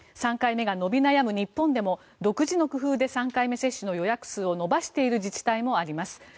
３回目が伸び悩む日本でも独自の工夫で３回目接種の予約数を伸ばしている自治体もあります。